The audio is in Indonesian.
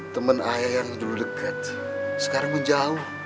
teman ayah yang dulu dekat sekarang menjauh